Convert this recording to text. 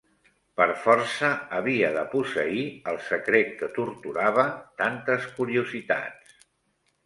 Per força havia de posseir el secret que torturava tantes curiositats.